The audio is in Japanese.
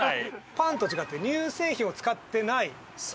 ⁉パンと違って乳製品を使ってない。